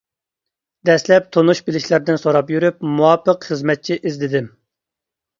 دەسلەپ تونۇش-بىلىشلەردىن سوراپ يۈرۈپ مۇۋاپىق خىزمەتچى ئىزدىدىم.